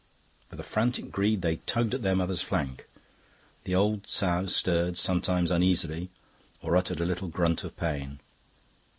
With a frantic greed they tugged at their mother's flank. The old sow stirred sometimes uneasily or uttered a little grunt of pain.